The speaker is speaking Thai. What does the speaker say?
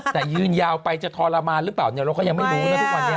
แต่ยืนยาวไปจะทรมานหรือเปล่าเนี่ยเราก็ยังไม่รู้นะทุกวันนี้